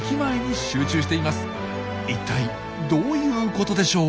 一体どういうことでしょう？